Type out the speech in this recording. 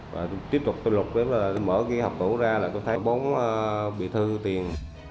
và tôi tiếp tục tôi lục tôi mở cái hộp tổ ra là tôi thấy bốn bịa thư tiền